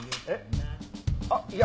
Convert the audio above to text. えっ？